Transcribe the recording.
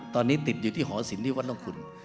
ตอนนี้ติดอยู่ที่หอศิลปที่วัดน้องคุณ